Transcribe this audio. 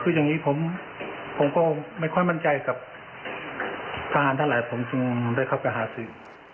คือยังนี้ผมก็ไม่ค่อยมั่นใจกับทหารท่านหลายผมจึงได้ครับก็ฮาซี่